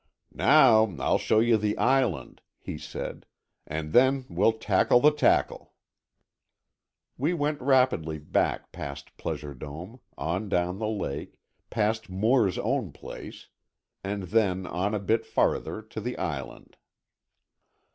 "Now I'll show you the island," he said, "and then we'll tackle the tackle." We went rapidly back past Pleasure Dome, on down the lake, past Moore's own place, and then on a bit farther to the Island.